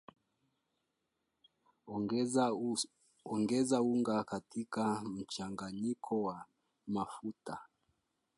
Ongeza unga katika mchanganyiko wa mafuta